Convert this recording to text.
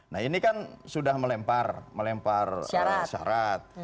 nah ini kan sudah melempar syarat